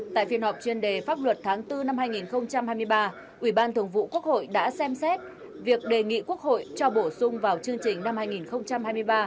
tại phiên họp chuyên đề pháp luật tháng bốn năm hai nghìn hai mươi ba ủy ban thường vụ quốc hội đã xem xét việc đề nghị quốc hội cho bổ sung vào chương trình năm hai nghìn hai mươi ba